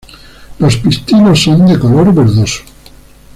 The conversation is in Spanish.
Los pistilos son de color verdoso.